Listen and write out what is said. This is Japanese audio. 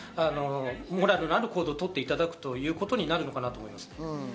モラルのある行動を取っていただくということになるかなと思います。